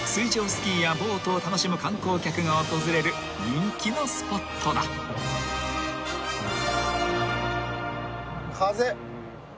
スキーやボートを楽しむ観光客が訪れる人気のスポットだ］風。